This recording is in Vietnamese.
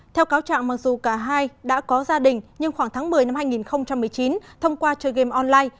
theo cáo trạng mặc dù cả hai đã có gia đình nhưng khoảng tháng một mươi năm hai nghìn một mươi chín thông qua chơi game online